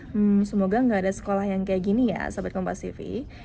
hmm semoga nggak ada sekolah yang kayak gini ya sobatkompastv